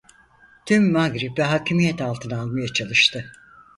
Tüm Mağrib'i hakimiyet altına almaya çalıştı.